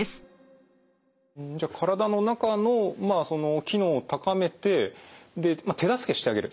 じゃあ体の中のその機能を高めてでまあ手助けしてあげる。